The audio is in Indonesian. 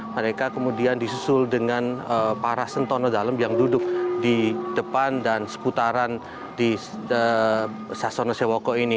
mereka kemudian disusul dengan para sentono dalam yang duduk di depan dan seputaran di sasono sewoko ini